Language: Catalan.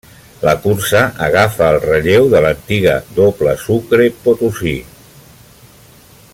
La cursa agafa el relleu de l'antiga Doble Sucre Potosí.